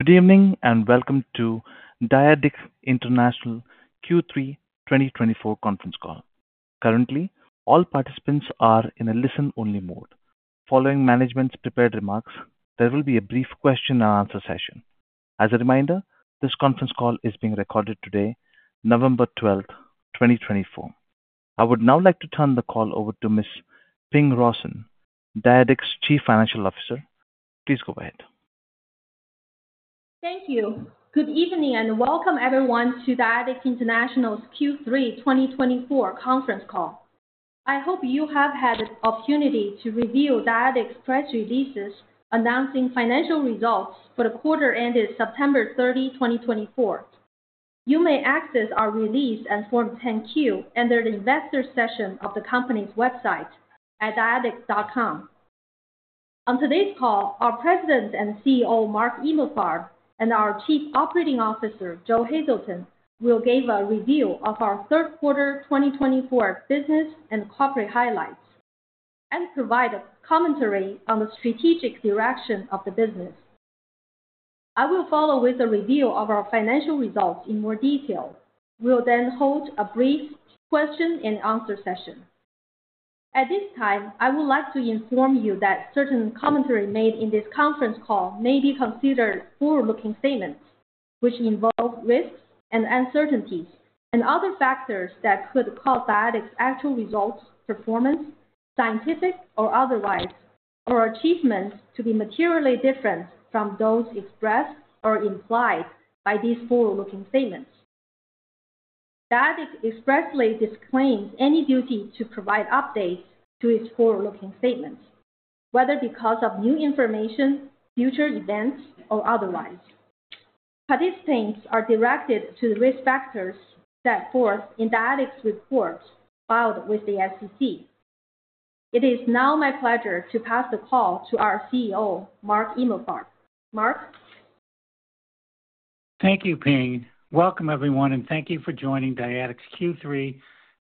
Good evening and welcome to Dyadic International Q3 2024 conference call. Currently, all participants are in a listen-only mode. Following management's prepared remarks, there will be a brief question-and-answer session. As a reminder, this conference call is being recorded today, November 12th, 2024. I would now like to turn the call over to Ms. Ping Rawson, Dyadic's Chief Financial Officer. Please go ahead. Thank you. Good evening and welcome, everyone, to Dyadic International's Q3 2024 conference call. I hope you have had the opportunity to review Dyadic's press releases announcing financial results for the quarter ended September 30, 2024. You may access our release and Form 10-Q under the investor section of the company's website at dyadic.com. On today's call, our President and CEO, Mark Emalfarb, and our Chief Operating Officer, Joe Hazelton, will give a review of our third quarter 2024 business and corporate highlights and provide a commentary on the strategic direction of the business. I will follow with a review of our financial results in more detail. We'll then hold a brief question-and-answer session. At this time, I would like to inform you that certain commentary made in this conference call may be considered forward-looking statements, which involve risks and uncertainties and other factors that could cause Dyadic's actual results, performance, scientific or otherwise, or achievements to be materially different from those expressed or implied by these forward-looking statements. Dyadic expressly disclaims any duty to provide updates to its forward-looking statements, whether because of new information, future events, or otherwise. Participants are directed to the risk factors set forth in Dyadic's report filed with the SEC. It is now my pleasure to pass the call to our CEO, Mark Emalfarb. Mark. Thank you, Ping. Welcome, everyone, and thank you for joining Dyadic's Q3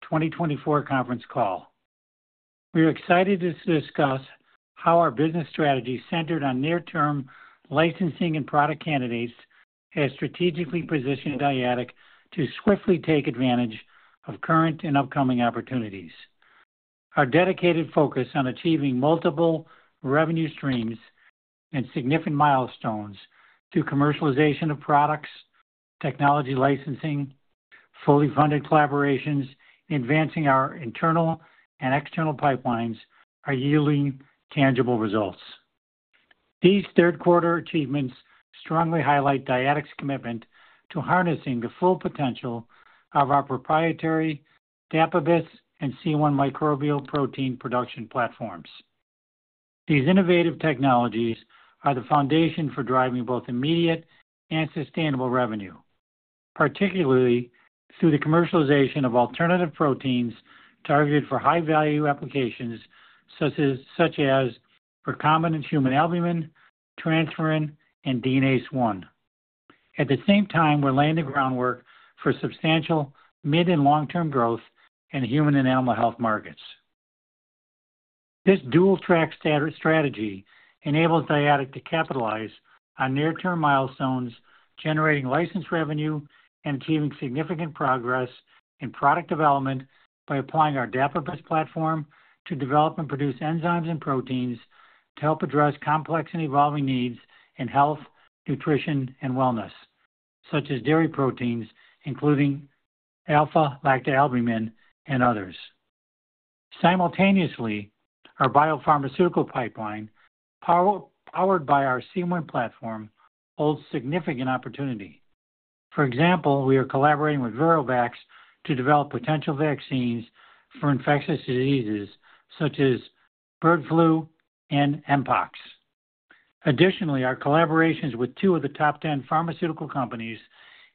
2024 conference call. We are excited to discuss how our business strategy centered on near-term licensing and product candidates has strategically positioned Dyadic to swiftly take advantage of current and upcoming opportunities. Our dedicated focus on achieving multiple revenue streams and significant milestones through commercialization of products, technology licensing, fully funded collaborations, and advancing our internal and external pipelines are yielding tangible results. These third-quarter achievements strongly highlight Dyadic's commitment to harnessing the full potential of our proprietary Dapibus and C1 microbial protein production platforms. These innovative technologies are the foundation for driving both immediate and sustainable revenue, particularly through the commercialization of alternative proteins targeted for high-value applications such as recombinant human albumin, transferrin, and DNASE-1. At the same time, we're laying the groundwork for substantial mid and long-term growth in human and animal health markets. This dual-track strategy enables Dyadic to capitalize on near-term milestones, generating license revenue and achieving significant progress in product development by applying our Dapibus platform to develop and produce enzymes and proteins to help address complex and evolving needs in health, nutrition, and wellness, such as dairy proteins, including alpha-lactalbumin and others. Simultaneously, our biopharmaceutical pipeline, powered by our C1 platform, holds significant opportunity. For example, we are collaborating with ViroVax to develop potential vaccines for infectious diseases such as bird flu and Mpox. Additionally, our collaborations with two of the top 10 pharmaceutical companies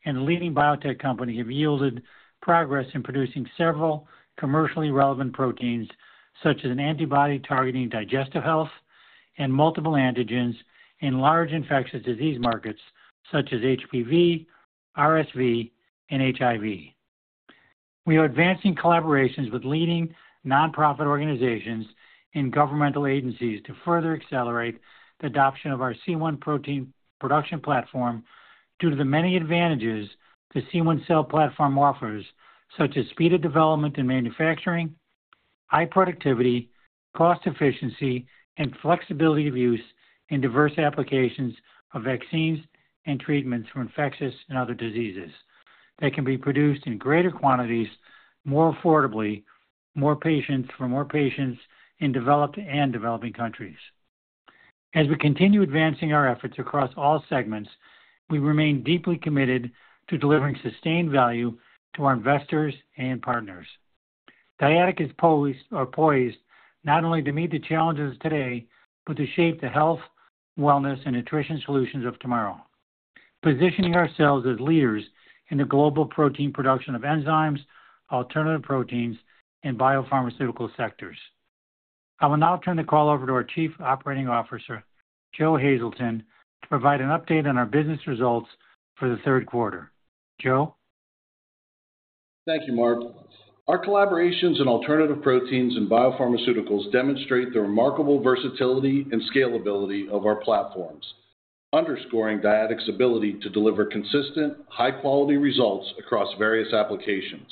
and leading biotech companies have yielded progress in producing several commercially relevant proteins, such as an antibody targeting digestive health and multiple antigens in large infectious disease markets such as HPV, RSV, and HIV. We are advancing collaborations with leading nonprofit organizations and governmental agencies to further accelerate the adoption of our C1 protein production platform due to the many advantages the C1 cell platform offers, such as speed of development and manufacturing, high productivity, cost efficiency, and flexibility of use in diverse applications of vaccines and treatments for infectious and other diseases that can be produced in greater quantities, more affordably, and for more patients in developed and developing countries. As we continue advancing our efforts across all segments, we remain deeply committed to delivering sustained value to our investors and partners. Dyadic is poised not only to meet the challenges of today, but to shape the health, wellness, and nutrition solutions of tomorrow, positioning ourselves as leaders in the global protein production of enzymes, alternative proteins, and biopharmaceutical sectors. I will now turn the call over to our Chief Operating Officer, Joe Hazelton, to provide an update on our business results for the third quarter. Joe? Thank you, Mark. Our collaborations in alternative proteins and biopharmaceuticals demonstrate the remarkable versatility and scalability of our platforms, underscoring Dyadic's ability to deliver consistent, high-quality results across various applications.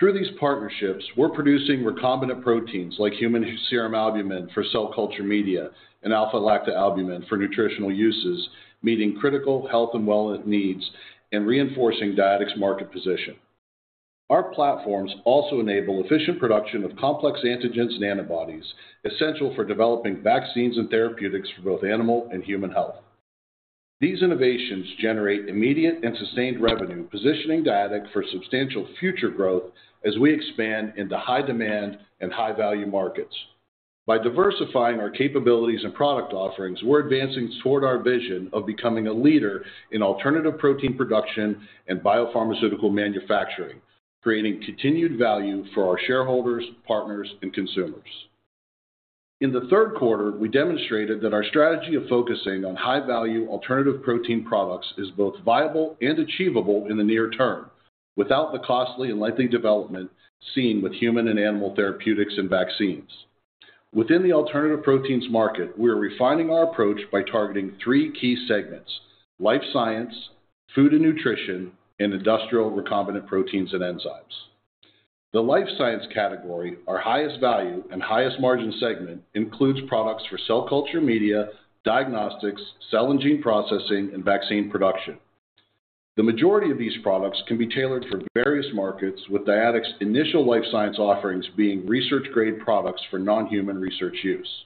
Through these partnerships, we're producing recombinant proteins like human serum albumin for cell culture media and alpha-lactalbumin for nutritional uses, meeting critical health and wellness needs and reinforcing Dyadic's market position. Our platforms also enable efficient production of complex antigens and antibodies essential for developing vaccines and therapeutics for both animal and human health. These innovations generate immediate and sustained revenue, positioning Dyadic for substantial future growth as we expand into high-demand and high-value markets. By diversifying our capabilities and product offerings, we're advancing toward our vision of becoming a leader in alternative protein production and biopharmaceutical manufacturing, creating continued value for our shareholders, partners, and consumers. In the third quarter, we demonstrated that our strategy of focusing on high-value alternative protein products is both viable and achievable in the near term without the costly and lengthy development seen with human and animal therapeutics and vaccines. Within the alternative proteins market, we are refining our approach by targeting three key segments: life science, food and nutrition, and industrial recombinant proteins and enzymes. The life science category, our highest value and highest margin segment, includes products for cell culture media, diagnostics, cell and gene processing, and vaccine production. The majority of these products can be tailored for various markets, with Dyadic's initial life science offerings being research-grade products for non-human research use.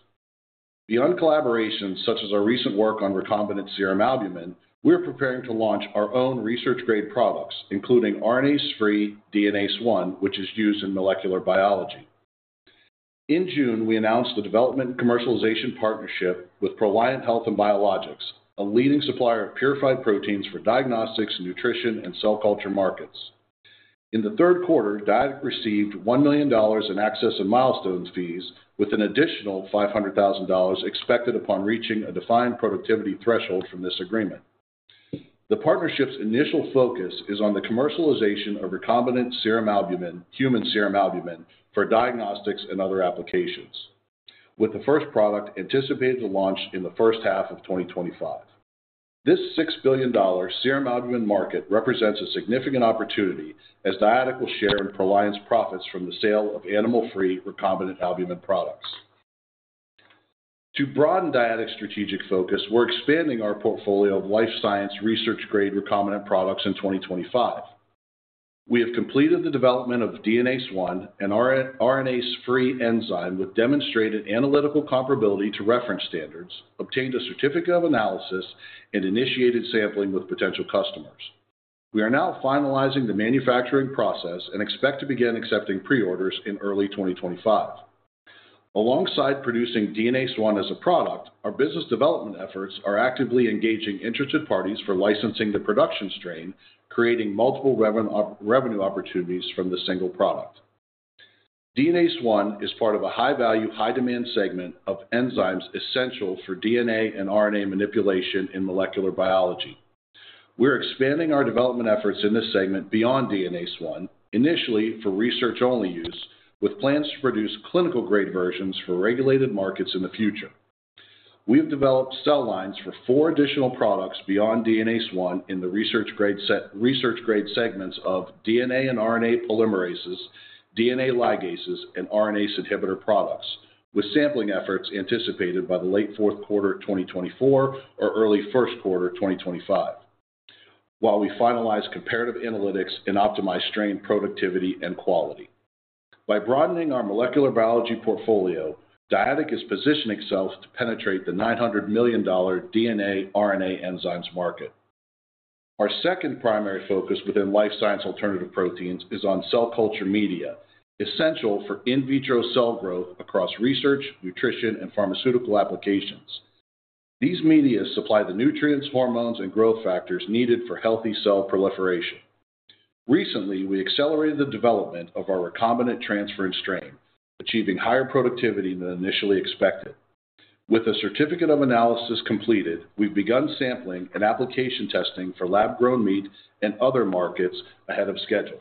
Beyond collaborations such as our recent work on recombinant serum albumin, we are preparing to launch our own research-grade products, including RNase-free DNASE-1, which is used in molecular biology. In June, we announced the development and commercialization partnership with Proliant Health and Biologics, a leading supplier of purified proteins for diagnostics, nutrition, and cell culture markets. In the third quarter, Dyadic received $1 million in access and milestone fees, with an additional $500,000 expected upon reaching a defined productivity threshold from this agreement. The partnership's initial focus is on the commercialization of recombinant serum albumin, human serum albumin, for diagnostics and other applications, with the first product anticipated to launch in the first half of 2025. This $6 billion serum albumin market represents a significant opportunity as Dyadic will share in Proliant's profits from the sale of animal-free recombinant albumin products. To broaden Dyadic's strategic focus, we're expanding our portfolio of life science research-grade recombinant products in 2025. We have completed the development of DNASE-1, an RNase-free enzyme with demonstrated analytical comparability to reference standards, obtained a Certificate of Analysis, and initiated sampling with potential customers. We are now finalizing the manufacturing process and expect to begin accepting pre-orders in early 2025. Alongside producing DNASE-1 as a product, our business development efforts are actively engaging interested parties for licensing the production strain, creating multiple revenue opportunities from the single product. DNASE-1 is part of a high-value, high-demand segment of enzymes essential for DNA and RNA manipulation in molecular biology. We're expanding our development efforts in this segment beyond DNASE-1, initially for research-only use, with plans to produce clinical-grade versions for regulated markets in the future. We have developed cell lines for four additional products beyond DNASE-1 in the research-grade segments of DNA and RNA polymerases, DNA ligases, and RNase inhibitor products, with sampling efforts anticipated by the late fourth quarter of 2024 or early first quarter of 2025, while we finalize comparative analytics and optimize strain productivity and quality. By broadening our molecular biology portfolio, Dyadic is positioning itself to penetrate the $900 million DNA/RNA enzymes market. Our second primary focus within life science alternative proteins is on cell culture media, essential for in vitro cell growth across research, nutrition, and pharmaceutical applications. These media supply the nutrients, hormones, and growth factors needed for healthy cell proliferation. Recently, we accelerated the development of our recombinant transferrin strain, achieving higher productivity than initially expected. With a certificate of analysis completed, we've begun sampling and application testing for lab-grown meat and other markets ahead of schedule.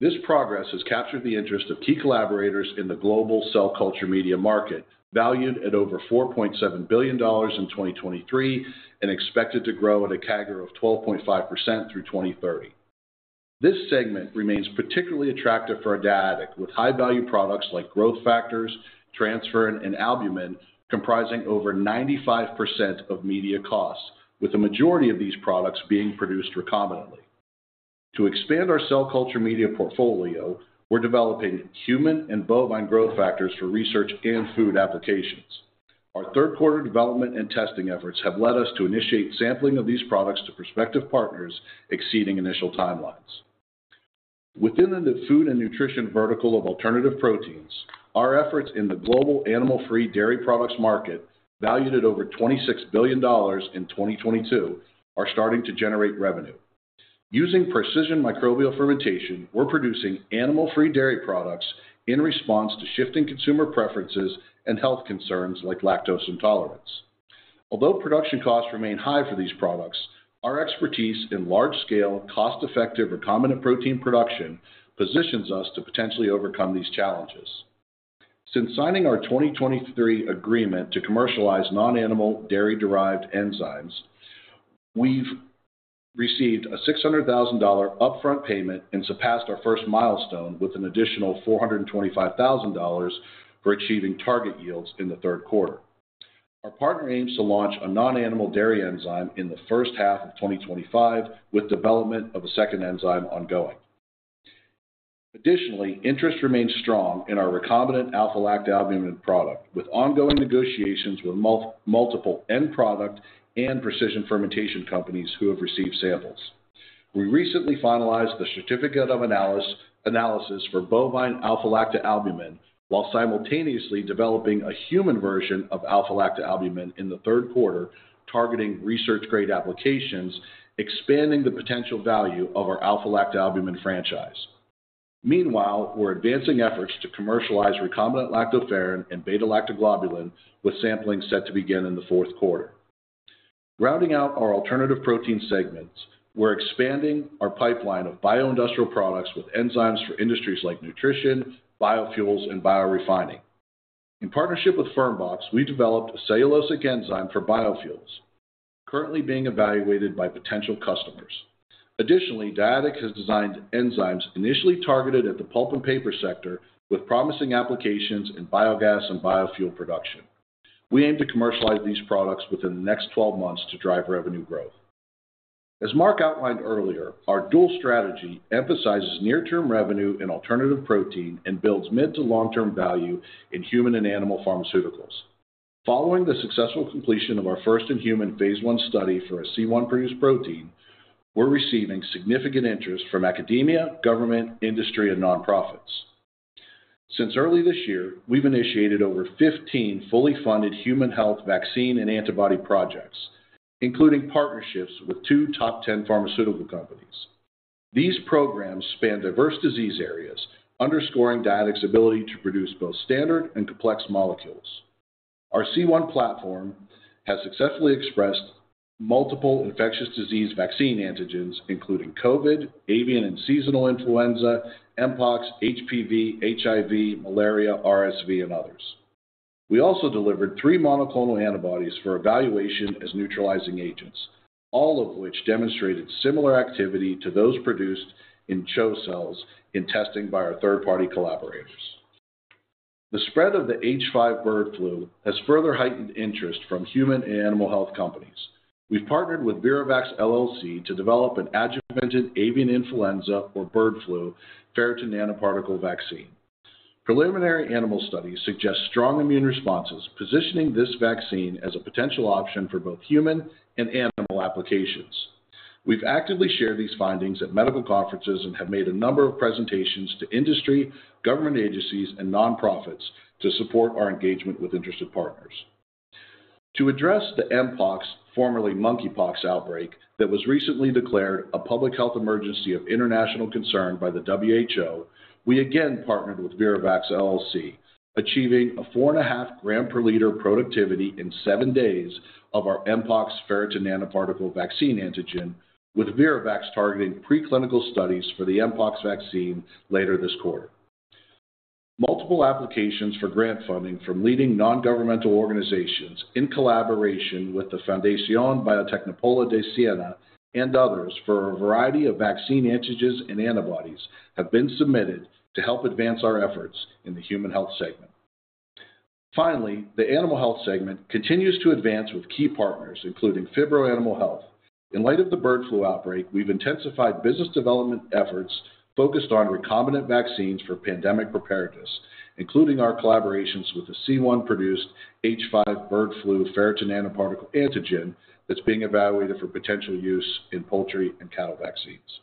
This progress has captured the interest of key collaborators in the global cell culture media market, valued at over $4.7 billion in 2023 and expected to grow at a CAGR of 12.5% through 2030. This segment remains particularly attractive for Dyadic, with high-value products like growth factors, transferrin, and albumin comprising over 95% of media costs, with the majority of these products being produced recombinantly. To expand our cell culture media portfolio, we're developing human and bovine growth factors for research and food applications. Our third-quarter development and testing efforts have led us to initiate sampling of these products to prospective partners, exceeding initial timelines. Within the food and nutrition vertical of alternative proteins, our efforts in the global animal-free dairy products market, valued at over $26 billion in 2022, are starting to generate revenue. Using precision microbial fermentation, we're producing animal-free dairy products in response to shifting consumer preferences and health concerns like lactose intolerance. Although production costs remain high for these products, our expertise in large-scale, cost-effective recombinant protein production positions us to potentially overcome these challenges. Since signing our 2023 agreement to commercialize non-animal dairy-derived enzymes, we've received a $600,000 upfront payment and surpassed our first milestone with an additional $425,000 for achieving target yields in the third quarter. Our partner aims to launch a non-animal dairy enzyme in the first half of 2025, with development of a second enzyme ongoing. Additionally, interest remains strong in our recombinant alpha-lactalbumin product, with ongoing negotiations with multiple end product and precision fermentation companies who have received samples. We recently finalized the Certificate of Analysis for bovine alpha-lactalbumin while simultaneously developing a human version of alpha-lactalbumin in the third quarter, targeting research-grade applications, expanding the potential value of our alpha-lactalbumin franchise. Meanwhile, we're advancing efforts to commercialize recombinant lactoferrin and beta-lactoglobulin, with sampling set to begin in the fourth quarter. Rounding out our alternative protein segments, we're expanding our pipeline of bio-industrial products with enzymes for industries like nutrition, biofuels, and biorefining. In partnership with Fermbox, we developed a cellulosic enzyme for biofuels, currently being evaluated by potential customers. Additionally, Dyadic has designed enzymes initially targeted at the pulp and paper sector, with promising applications in biogas and biofuel production. We aim to commercialize these products within the next 12 months to drive revenue growth. As Mark outlined earlier, our dual strategy emphasizes near-term revenue in alternative protein and builds mid to long-term value in human and animal pharmaceuticals. Following the successful completion of our first in-human phase I study for a C1-produced protein, we're receiving significant interest from academia, government, industry, and nonprofits. Since early this year, we've initiated over 15 fully funded human health vaccine and antibody projects, including partnerships with two top 10 pharmaceutical companies. These programs span diverse disease areas, underscoring Dyadic's ability to produce both standard and complex molecules. Our C1 platform has successfully expressed multiple infectious disease vaccine antigens, including COVID, avian and seasonal influenza, Mpox, HPV, HIV, malaria, RSV, and others. We also delivered three monoclonal antibodies for evaluation as neutralizing agents, all of which demonstrated similar activity to those produced in CHO cells in testing by our third-party collaborators. The spread of the H5 bird flu has further heightened interest from human and animal health companies. We've partnered with ViroVax LLC to develop an adjuvanted avian influenza, or bird flu, ferritin nanoparticle vaccine. Preliminary animal studies suggest strong immune responses, positioning this vaccine as a potential option for both human and animal applications. We've actively shared these findings at medical conferences and have made a number of presentations to industry, government agencies, and nonprofits to support our engagement with interested partners. To address the Mpox, formerly monkeypox outbreak, that was recently declared a public health emergency of international concern by the WHO, we again partnered with ViroVax LLC, achieving a 4.5 gram per liter productivity in seven days of our Mpox ferritin nanoparticle vaccine antigen, with ViroVax targeting preclinical studies for the Mpox vaccine later this quarter. Multiple applications for grant funding from leading non-governmental organizations in collaboration with the Fondazione Biotecnopolo di Siena and others for a variety of vaccine antigens and antibodies have been submitted to help advance our efforts in the human health segment. Finally, the animal health segment continues to advance with key partners, including Phibro Animal Health. In light of the bird flu outbreak, we've intensified business development efforts focused on recombinant vaccines for pandemic preparedness, including our collaborations with the C1-produced H5 bird flu ferritin nanoparticle antigen that's being evaluated for potential use in poultry and cattle vaccines.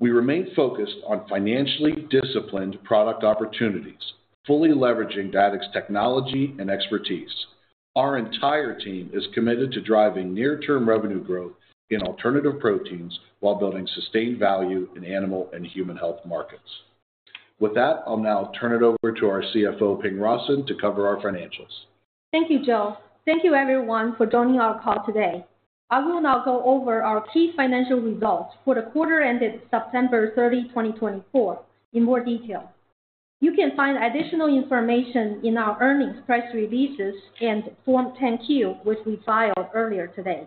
We remain focused on financially disciplined product opportunities, fully leveraging Dyadic's technology and expertise. Our entire team is committed to driving near-term revenue growth in alternative proteins while building sustained value in animal and human health markets. With that, I'll now turn it over to our CFO, Ping Rawson, to cover our financials. Thank you, Joe. Thank you, everyone, for joining our call today. I will now go over our key financial results for the quarter ended September 30, 2024, in more detail. You can find additional information in our earnings press releases and Form 10-Q, which we filed earlier today.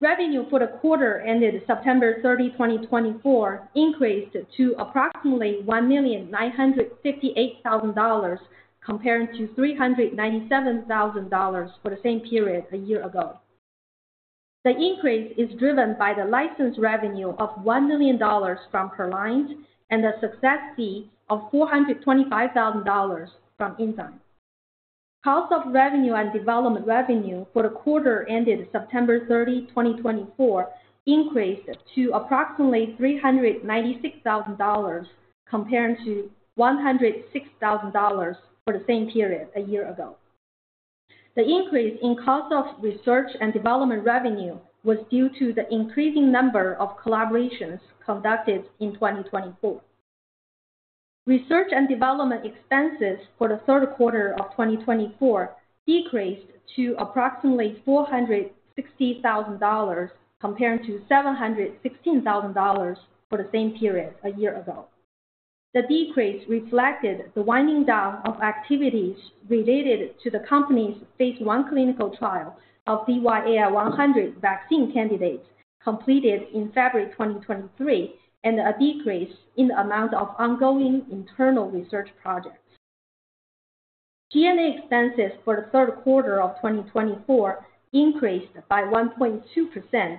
Revenue for the quarter ended September 30, 2024, increased to approximately $1,958,000, compared to $397,000 for the same period a year ago. The increase is driven by the license revenue of $1 million from Proliant and the success fee of $425,000 from Inzyme. Cost of revenue and development revenue for the quarter ended September 30, 2024, increased to approximately $396,000, compared to $106,000 for the same period a year ago. The increase in cost of research and development revenue was due to the increasing number of collaborations conducted in 2024. Research and development expenses for the third quarter of 2024 decreased to approximately $460,000, compared to $716,000 for the same period a year ago. The decrease reflected the winding down of activities related to the company's phase I clinical trial of DYAI-100 vaccine candidates completed in February 2023 and a decrease in the amount of ongoing internal research projects. G&A expenses for the third quarter of 2024 increased by 1.2%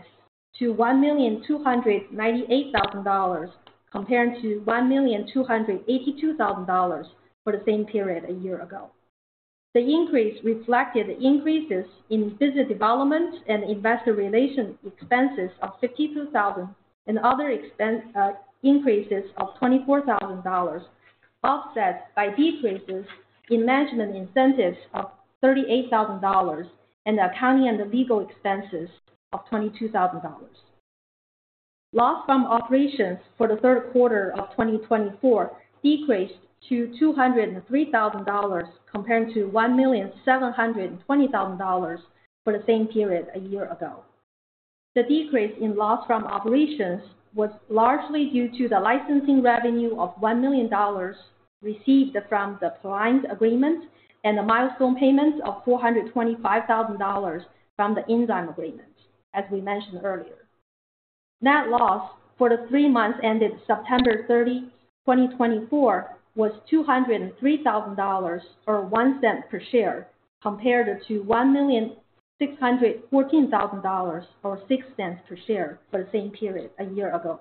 to $1,298,000, compared to $1,282,000 for the same period a year ago. The increase reflected increases in business development and investor relation expenses of $52,000 and other increases of $24,000, offset by decreases in management incentives of $38,000 and accounting and legal expenses of $22,000. Loss from operations for the third quarter of 2024 decreased to $203,000, compared to $1,720,000 for the same period a year ago. The decrease in loss from operations was largely due to the licensing revenue of $1 million received from the Proliant agreement and the milestone payment of $425,000 from the Inzyme agreement, as we mentioned earlier. Net loss for the three months ended September 30, 2024, was $203,000 or $0.1 per share, compared to $1,614,000 or $0.6 per share for the same period a year ago.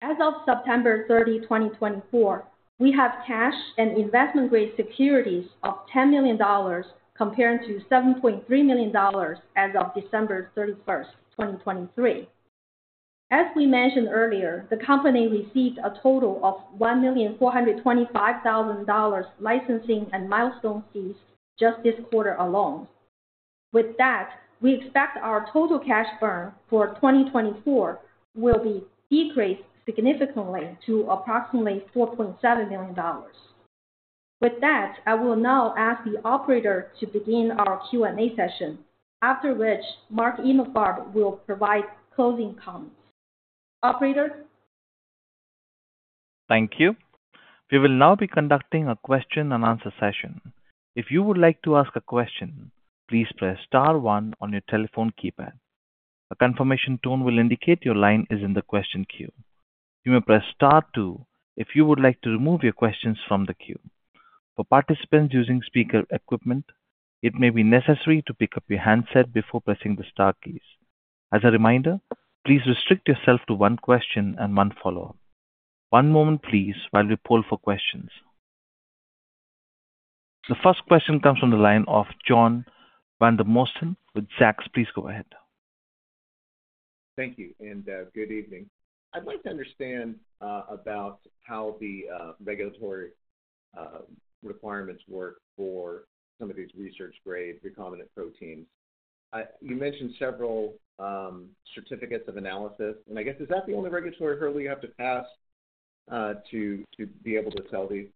As of September 30, 2024, we have cash and investment-grade securities of $10 million, compared to $7.3 million as of December 31, 2023. As we mentioned earlier, the company received a total of $1,425,000 licensing and milestone fees just this quarter alone. With that, we expect our total cash burn for 2024 will be decreased significantly to approximately $4.7 million. With that, I will now ask the operator to begin our Q&A session, after which Mark Emalfarb will provide closing comments. Operator. Thank you. We will now be conducting a question-and-answer session. If you would like to ask a question, please press star one on your telephone keypad. A confirmation tone will indicate your line is in the question queue. You may press star two if you would like to remove your questions from the queue. For participants using speaker equipment, it may be necessary to pick up your handset before pressing the star keys. As a reminder, please restrict yourself to one question and one follow-up. One moment, please, while we poll for questions. The first question comes from the line of John Vandermosten with Zacks. Please go ahead. Thank you and good evening. I'd like to understand about how the regulatory requirements work for some of these research-grade recombinant proteins. You mentioned several certificates of analysis. I guess, is that the only regulatory hurdle you have to pass to be able to sell these?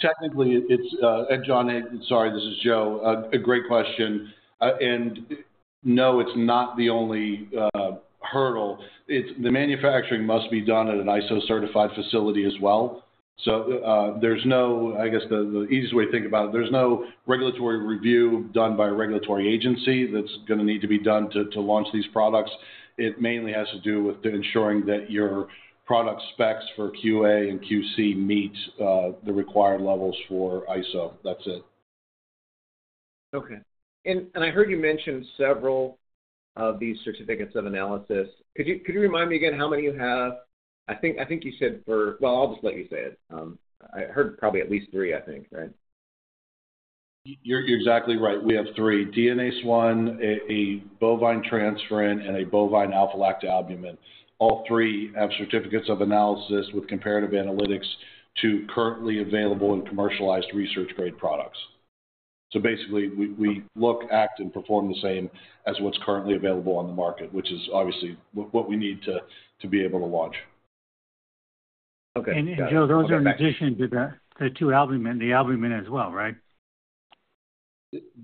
Technically, it's John, sorry, this is Joe. A great question. And no, it's not the only hurdle. The manufacturing must be done at an ISO-certified facility as well. So there's no, I guess, the easiest way to think about it, there's no regulatory review done by a regulatory agency that's going to need to be done to launch these products. It mainly has to do with ensuring that your product specs for QA and QC meet the required levels for ISO. That's it. Okay. And I heard you mention several of these certificates of analysis. Could you remind me again how many you have? I think you said four, well, I'll just let you say it. I heard probably at least three, I think, right? You're exactly right. We have three. DNASE-1, a bovine transferrin, and a bovine alpha-lactalbumin. All three have certificates of analysis with comparative analytics to currently available and commercialized research-grade products. So basically, we look, act, and perform the same as what's currently available on the market, which is obviously what we need to be able to launch. Okay. And Joe. Those are in addition to the two albumin and the albumin as well, right?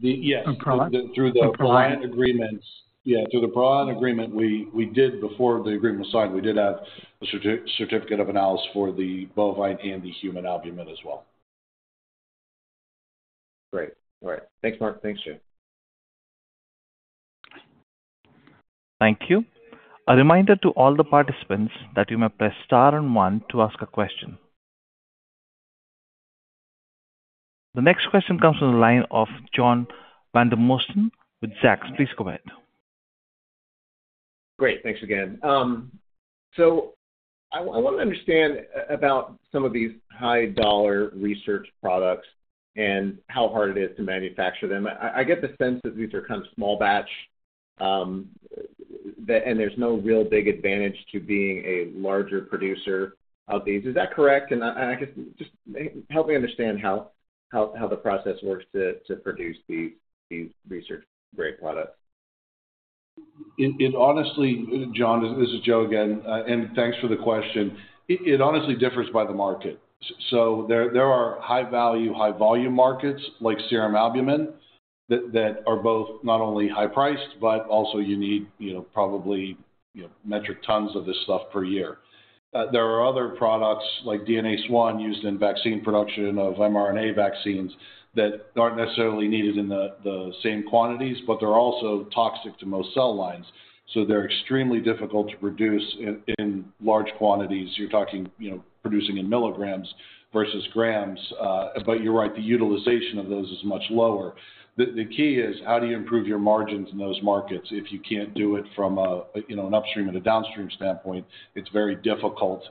Yes. Through the Proliant agreement. Yeah, through the Proliant agreement we did before the agreement was signed, we did have a certificate of analysis for the bovine and the human albumin as well. Great. All right. Thanks, Mark. Thanks, Joe. Thank you. A reminder to all the participants that you may press star and one to ask a question. The next question comes from the line of John Vandermosten with Zacks. Please go ahead. Great. Thanks again. So I want to understand about some of these high-dollar research products and how hard it is to manufacture them. I get the sense that these are kind of small batch and there's no real big advantage to being a larger producer of these. Is that correct? And I guess, just help me understand how the process works to produce these research-grade products? Honestly, John, this is Joe again, and thanks for the question. It honestly differs by the market. So there are high-value, high-volume markets like serum albumin that are both not only high-priced, but also you need probably metric tons of this stuff per year. There are other products like DNASE-1 used in vaccine production of mRNA vaccines that aren't necessarily needed in the same quantities, but they're also toxic to most cell lines. So they're extremely difficult to produce in large quantities. You're talking producing in milligrams versus grams. But you're right, the utilization of those is much lower. The key is how do you improve your margins in those markets? If you can't do it from an upstream and a downstream standpoint, it's very difficult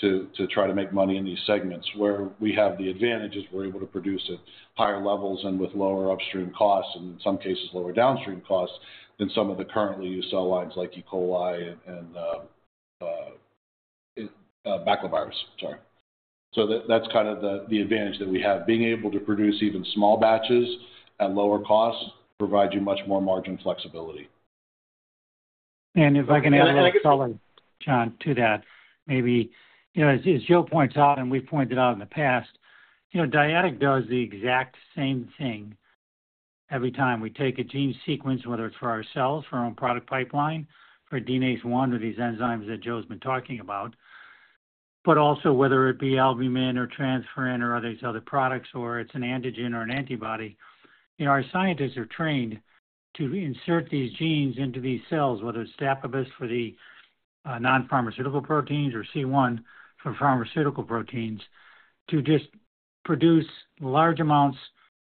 to try to make money in these segments. Where we have the advantage is we're able to produce at higher levels and with lower upstream costs and in some cases lower downstream costs than some of the currently used cell lines like E. coli and baculovirus. Sorry. So that's kind of the advantage that we have. Being able to produce even small batches at lower costs provides you much more margin flexibility. And if I can add a little, John, to that, maybe as Joe points out and we've pointed out in the past, Dyadic does the exact same thing every time. We take a gene sequence, whether it's for ourselves, for our own product pipeline, for DNASE-1 or these enzymes that Joe's been talking about, but also whether it be albumin or transferrin or these other products or it's an antigen or an antibody. Our scientists are trained to insert these genes into these cells, whether it's Dapibus for the non-pharmaceutical proteins or C1 for pharmaceutical proteins, to just produce large amounts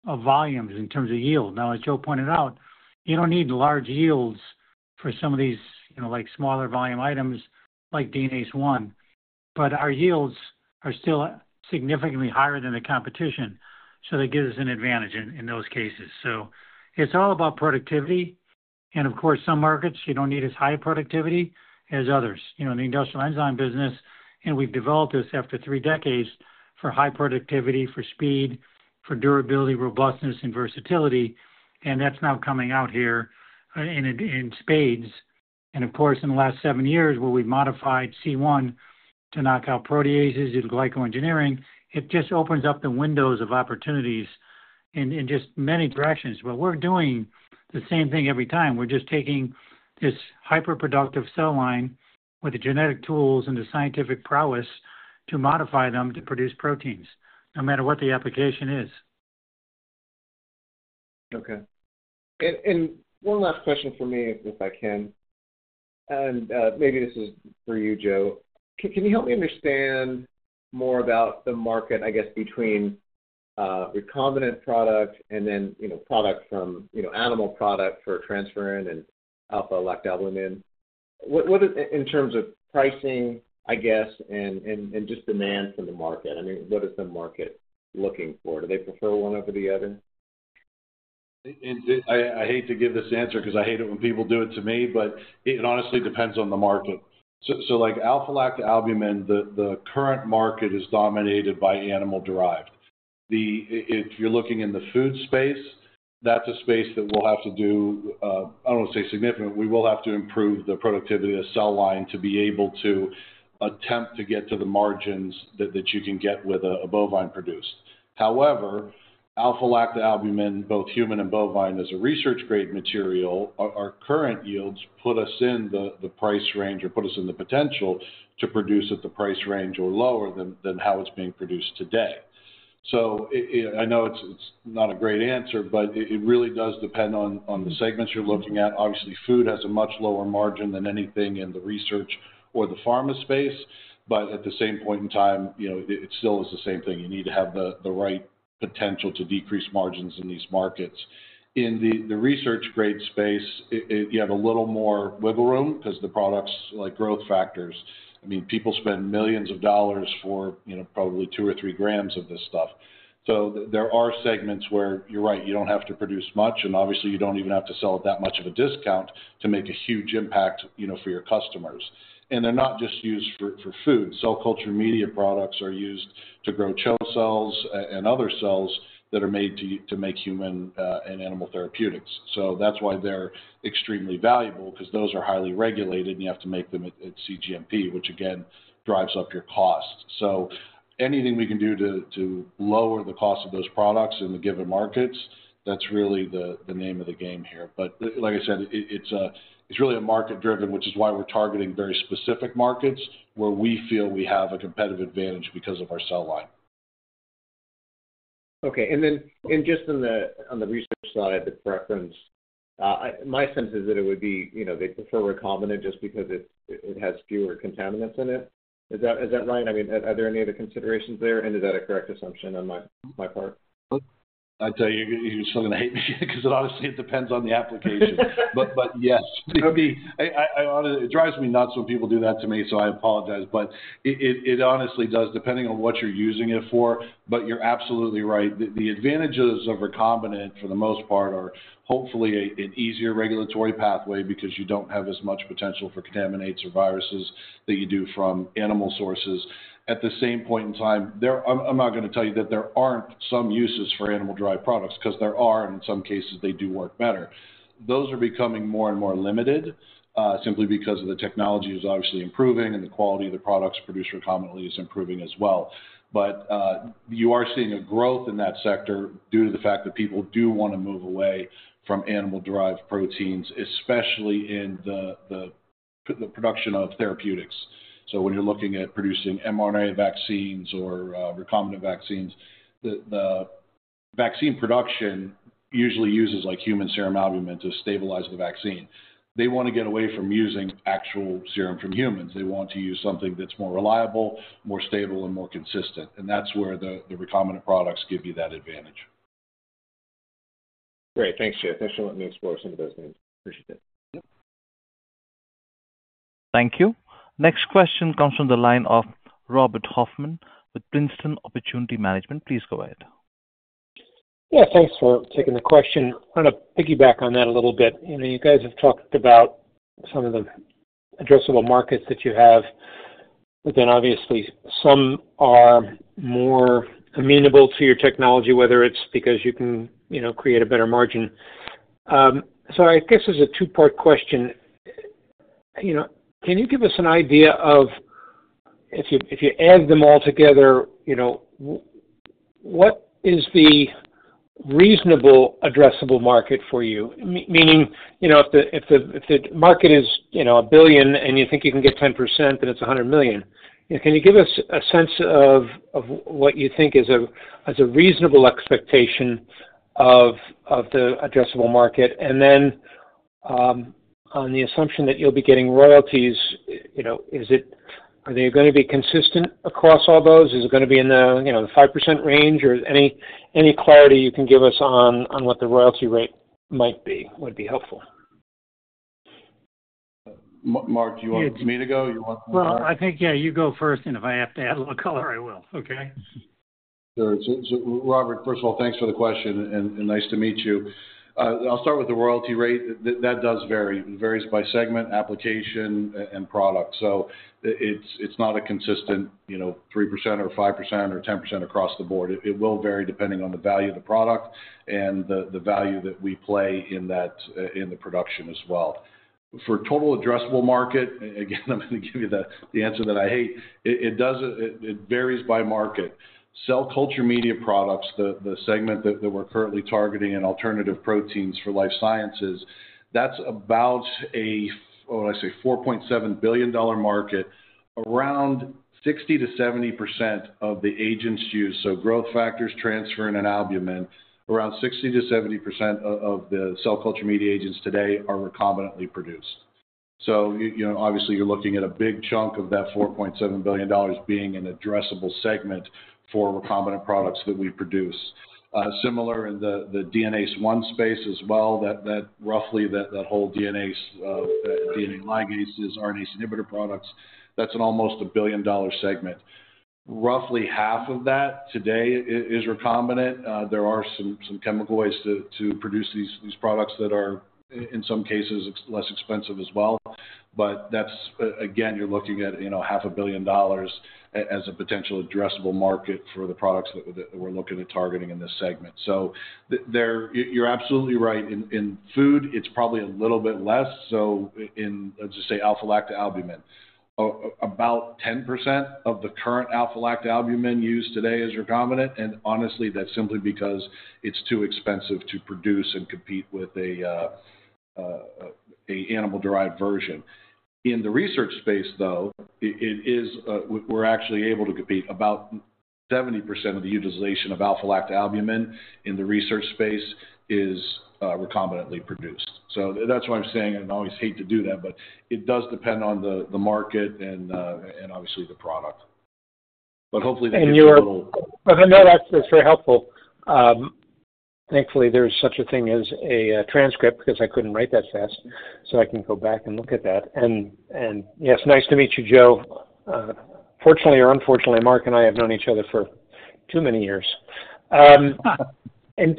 of volumes in terms of yield. Now, as Joe pointed out, you don't need large yields for some of these smaller volume items like DNASE-1, but our yields are still significantly higher than the competition. So it's all about productivity. And of course, some markets, you don't need as high productivity as others. The industrial enzyme business, and we've developed this after three decades for high productivity, for speed, for durability, robustness, and versatility. And that's now coming out here in spades. And of course, in the last seven years where we've modified C1 to knock out proteases in glycoengineering, it just opens up the windows of opportunities in just many directions. But we're doing the same thing every time. We're just taking this hyperproductive cell line with the genetic tools and the scientific prowess to modify them to produce proteins, no matter what the application is. Okay. And one last question for me, if I can. And maybe this is for you, Joe. Can you help me understand more about the market, I guess, between recombinant product and then product from animal product for transferrin and alpha-lactalbumin? In terms of pricing, I guess, and just demand from the market, I mean, what is the market looking for? Do they prefer one over the other? I hate to give this answer because I hate it when people do it to me, but it honestly depends on the market. So alpha-lactalbumin, the current market is dominated by animal-derived. If you're looking in the food space, that's a space that we'll have to do, I don't want to say significant, we will have to improve the productivity of the cell line to be able to attempt to get to the margins that you can get with a bovine produced. However, alpha-lactalbumin, both human and bovine, is a research-grade material. Our current yields put us in the price range or put us in the potential to produce at the price range or lower than how it's being produced today. So I know it's not a great answer, but it really does depend on the segments you're looking at. Obviously, food has a much lower margin than anything in the research or the pharma space. But at the same point in time, it still is the same thing. You need to have the right potential to decrease margins in these markets. In the research-grade space, you have a little more wiggle room because the products like growth factors. I mean, people spend millions of dollars for probably two or three grams of this stuff. So there are segments where you're right, you don't have to produce much. And obviously, you don't even have to sell it that much of a discount to make a huge impact for your customers. And they're not just used for food. Cell culture media products are used to grow CHO cells and other cells that are made to make human and animal therapeutics. So that's why they're extremely valuable because those are highly regulated and you have to make them at cGMP, which again, drives up your cost. So anything we can do to lower the cost of those products in the given markets, that's really the name of the game here. But like I said, it's really market-driven, which is why we're targeting very specific markets where we feel we have a competitive advantage because of our cell line. Okay. And then just on the research side of the preference, my sense is that it would be they prefer recombinant just because it has fewer contaminants in it. Is that right? I mean, are there any other considerations there? And is that a correct assumption on my part? I'd tell you you're just going to hate me because honestly, it depends on the application. But yes. It drives me nuts when people do that to me, so I apologize. But it honestly does, depending on what you're using it for. But you're absolutely right. The advantages of recombinant for the most part are hopefully an easier regulatory pathway because you don't have as much potential for contaminants or viruses that you do from animal sources. At the same point in time, I'm not going to tell you that there aren't some uses for animal-derived products because there are, and in some cases, they do work better. Those are becoming more and more limited simply because the technology is obviously improving and the quality of the products produced recombinantly is improving as well. But you are seeing a growth in that sector due to the fact that people do want to move away from animal-derived proteins, especially in the production of therapeutics. So when you're looking at producing mRNA vaccines or recombinant vaccines, the vaccine production usually uses human serum albumin to stabilize the vaccine. They want to get away from using actual serum from humans. They want to use something that's more reliable, more stable, and more consistent. And that's where the recombinant products give you that advantage. Great. Thanks, Joe. Thanks for letting me explore some of those things. Appreciate it. Thank you. Next question comes from the line of Robert Hoffman with Princeton Opportunity Management. Please go ahead. Yeah. Thanks for taking the question. I'm going to piggyback on that a little bit. You guys have talked about some of the addressable markets that you have, but then obviously, some are more amenable to your technology, whether it's because you can create a better margin. So I guess as a two-part question, can you give us an idea of if you add them all together, what is the reasonable addressable market for you? Meaning, if the market is $1 billion and you think you can get 10% and it's $100 million, can you give us a sense of what you think is a reasonable expectation of the addressable market? And then on the assumption that you'll be getting royalties, are they going to be consistent across all those? Is it going to be in the 5% range? Or any clarity you can give us on what the royalty rate might be would be helpful. Mark, do you want me to go? You want me to? Well, I think, yeah, you go first. And if I have to add a little color, I will. Okay? Sure. So Robert, first of all, thanks for the question and nice to meet you. I'll start with the royalty rate. That does vary. It varies by segment, application, and product. So it's not a consistent 3% or 5% or 10% across the board. It will vary depending on the value of the product and the value that we play in the production as well. For total addressable market, again, I'm going to give you the answer that I hate. It varies by market. Cell culture media products, the segment that we're currently targeting in alternative proteins for life sciences, that's about a, what do I say, $4.7 billion market. Around 60%-70% of the agents used, so growth factors, transferrin, and albumin, around 60%-70% of the cell culture media agents today are recombinantly produced. So obviously, you're looking at a big chunk of that $4.7 billion being an addressable segment for recombinant products that we produce. Similar in the DNASE-1 space as well, that roughly that whole DNA ligase is RNase inhibitor products. That's an almost $1 billion-dollar segment. Roughly half of that today is recombinant. There are some chemical ways to produce these products that are in some cases less expensive as well. But again, you're looking at $500 million as a potential addressable market for the products that we're looking at targeting in this segment. So you're absolutely right. In food, it's probably a little bit less. So let's just say alpha-lactalbumin. About 10% of the current alpha-lactalbumin used today is recombinant. And honestly, that's simply because it's too expensive to produce and compete with an animal-derived version. In the research space, though, we're actually able to compete. About 70% of the utilization of alpha-lactalbumin in the research space is recombinantly produced. So that's why I'm saying I always hate to do that, but it does depend on the market and obviously the product. But hopefully, that gives you a little. And you're. But I know that's very helpful. Thankfully, there's such a thing as a transcript because I couldn't write that fast. So I can go back and look at that. And yes, nice to meet you, Joe. Fortunately or unfortunately, Mark and I have known each other for too many years. And in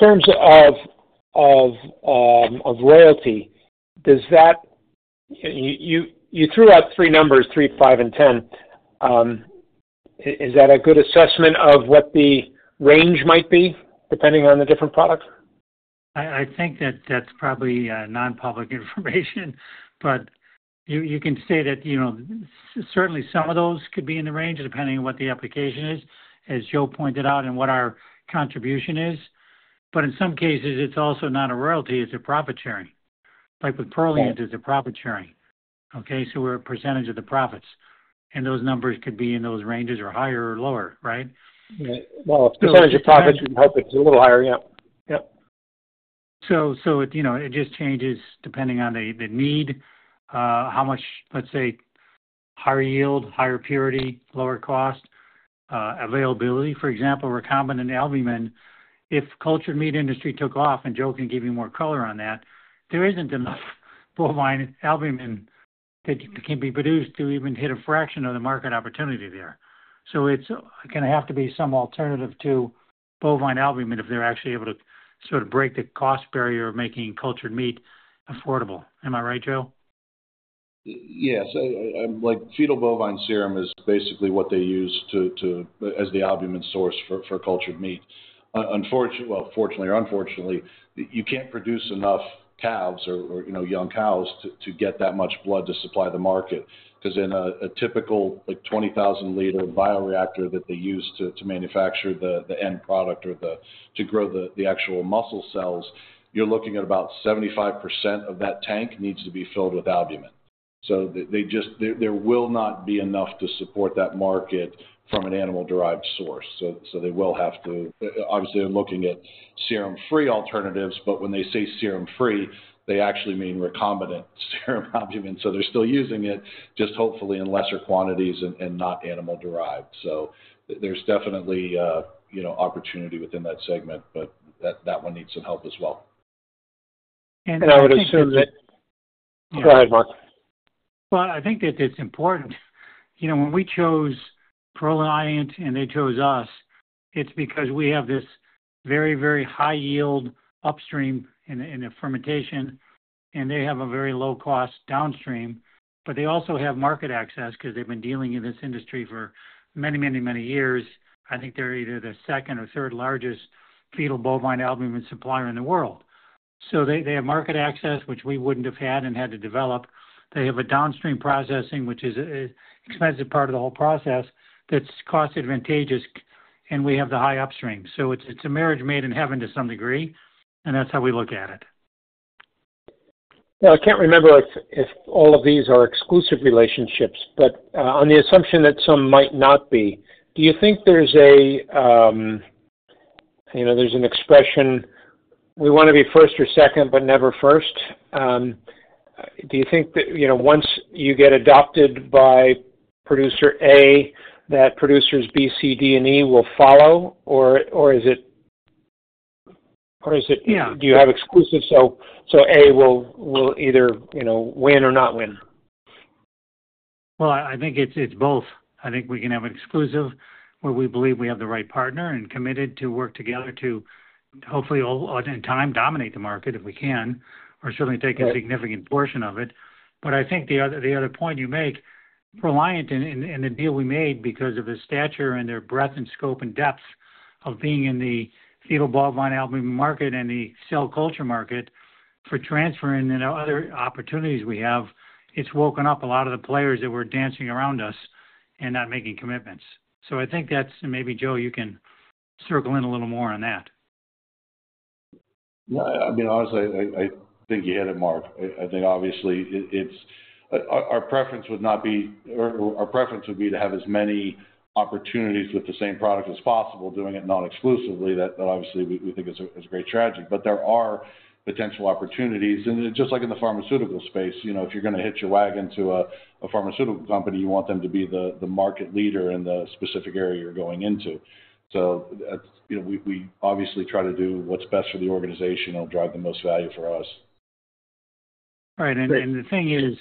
terms of royalty, does that, you threw out three numbers, three, five, and 10. Is that a good assessment of what the range might be depending on the different products? I think that that's probably non-public information. But you can say that certainly some of those could be in the range depending on what the application is, as Joe pointed out, and what our contribution is. But in some cases, it's also not a royalty. It's a profit sharing. Like with Proliant, it is a profit sharing. Okay? So we're a percentage of the profits. And those numbers could be in those ranges or higher or lower, right? Yeah. Well, if the percentage of profits would help it be a little higher, yeah. Yep. So it just changes depending on the need, how much, let's say, higher yield, higher purity, lower cost, availability. For example, recombinant albumin, if cultured meat industry took off, and Joe can give you more color on that, there isn't enough bovine albumin that can be produced to even hit a fraction of the market opportunity there. So it's going to have to be some alternative to bovine albumin if they're actually able to sort of break the cost barrier of making cultured meat affordable. Am I right, Joe? Yes. Like fetal bovine serum is basically what they use as the albumin source for cultured meat. Well, fortunately or unfortunately, you can't produce enough calves or young cows to get that much blood to supply the market because in a typical 20,000-liter bioreactor that they use to manufacture the end product or to grow the actual muscle cells, you're looking at about 75% of that tank needs to be filled with albumin. So there will not be enough to support that market from an animal-derived source. So they will have to, obviously, they're looking at serum-free alternatives. But when they say serum-free, they actually mean recombinant serum albumin. So they're still using it, just hopefully in lesser quantities and not animal-derived. So there's definitely opportunity within that segment, but that one needs some help as well. And I would assume that. Go ahead, Mark. Well, I think that it's important. When we chose Proliant, and they chose us, it's because we have this very, very high yield upstream in the fermentation, and they have a very low cost downstream. But they also have market access because they've been dealing in this industry for many, many, many years. I think they're either the second or third largest fetal bovine albumin supplier in the world. So they have market access, which we wouldn't have had and had to develop. They have a downstream processing, which is an expensive part of the whole process that's cost advantageous, and we have the high upstream. So it's a marriage made in heaven to some degree, and that's how we look at it. Now, I can't remember if all of these are exclusive relationships, but on the assumption that some might not be, do you think there's an expression, "We want to be first or second, but never first"? Do you think that once you get adopted by producer A, that producers B, C, D, and E will follow, or is it, do you have exclusive so A will either win or not win? Well, I think it's both. I think we can have an exclusive where we believe we have the right partner and committed to work together to hopefully, in time, dominate the market if we can, or certainly take a significant portion of it. But I think the other point you make, Proliant, and the deal we made because of the stature and their breadth and scope and depth of being in the fetal bovine albumin market and the cell culture market for transferrin and other opportunities we have, it's woken up a lot of the players that were dancing around us and not making commitments. So I think that's—and maybe, Joe, you can circle a little more on that. I mean, honestly, I think you hit it, Mark. I think obviously our preference would not be, our preference would be to have as many opportunities with the same product as possible doing it non-exclusively. That obviously we think is a great tragedy, but there are potential opportunities, and just like in the pharmaceutical space, if you're going to hitch a wagon to a pharmaceutical company, you want them to be the market leader in the specific area you're going into. So we obviously try to do what's best for the organization and drive the most value for us. Right. And the thing is,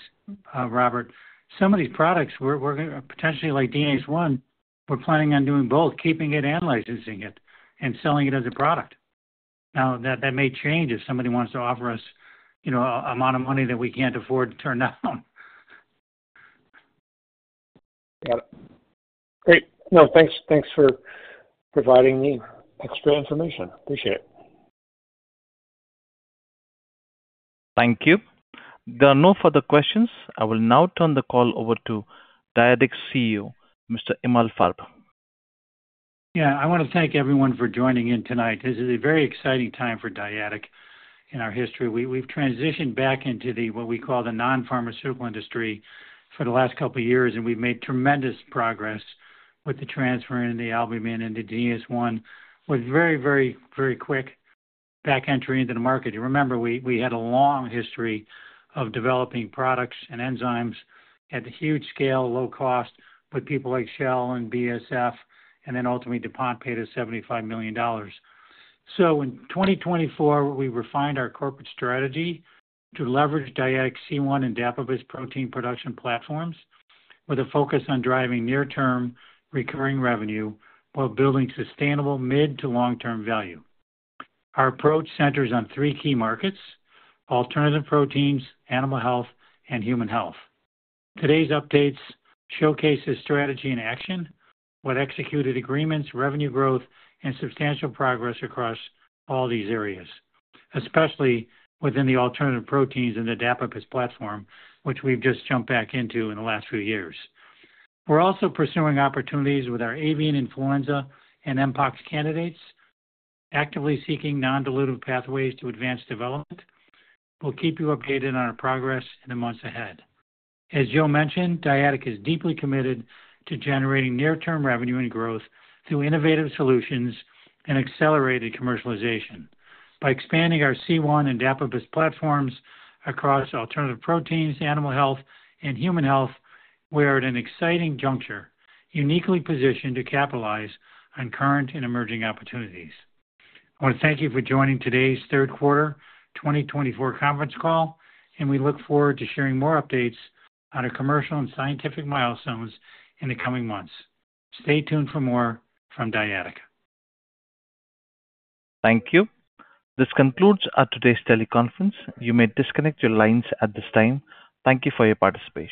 Robert, some of these products we're potentially like DNASE-1, we're planning on doing both, keeping it and licensing it and selling it as a product. Now, that may change if somebody wants to offer us an amount of money that we can't afford to turn down. Got it. Great. No, thanks for providing the extra information. Appreciate it. Thank you. There are no further questions. I will now turn the call over to Dyadic's CEO, Mr. Mark Emalfarb. Yeah. I want to thank everyone for joining in tonight. This is a very exciting time for Dyadic in our history. We've transitioned back into what we call the non-pharmaceutical industry for the last couple of years, and we've made tremendous progress with the transferrin and the albumin and the DNASE-1 with very, very, very quick re-entry into the market. Remember, we had a long history of developing products and enzymes at huge scale, low cost, with people like Shell and BASF, and then ultimately DuPont paid us $75 million. In 2024, we refined our corporate strategy to leverage Dyadic's C1 and Dapibus protein production platforms with a focus on driving near-term recurring revenue while building sustainable mid- to long-term value. Our approach centers on three key markets: alternative proteins, animal health, and human health. Today's updates showcase the strategy in action, what executed agreements, revenue growth, and substantial progress across all these areas, especially within the alternative proteins and the Dapibus platform, which we've just jumped back into in the last few years. We're also pursuing opportunities with our avian influenza and Mpox candidates, actively seeking non-dilutive pathways to advanced development. We'll keep you updated on our progress in the months ahead. As Joe mentioned, Dyadic is deeply committed to generating near-term revenue and growth through innovative solutions and accelerated commercialization. By expanding our C1 and Dapibus platforms across alternative proteins, animal health, and human health, we are at an exciting juncture, uniquely positioned to capitalize on current and emerging opportunities. I want to thank you for joining today's third quarter 2024 conference call, and we look forward to sharing more updates on our commercial and scientific milestones in the coming months. Stay tuned for more from Dyadic. Thank you. This concludes our today's teleconference. You may disconnect your lines at this time. Thank you for your participation.